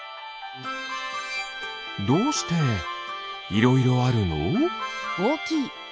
どうしていろいろあるの？